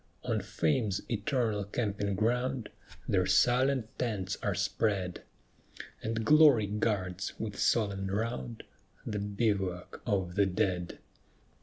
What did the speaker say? On Fame's eternal camping ground Their silent tents are spread, And Glory guards, with solemn round, The bivouac of the dead.